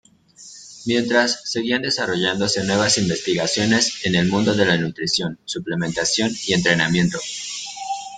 Mientras, seguían desarrollándose nuevas investigaciones en el mundo de la nutrición, suplementación y entrenamiento.